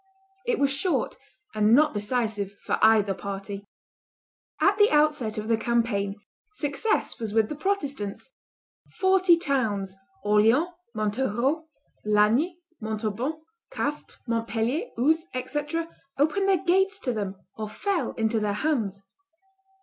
It was short, and not decisive for either party. At the outset of the campaign, success was with the Protestants; forty towns, Orleans, Montereau, Lagny, Montauban, Castres, Montpellier, Uzes, &c., opened their gates to them or fell into their hands.